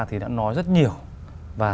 thì đã nói rất nhiều và